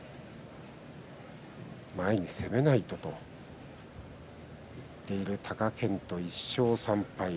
前に攻めないとと言っている貴健斗、１勝３敗。